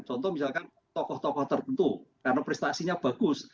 contoh misalkan tokoh tokoh tertentu karena prestasinya bagus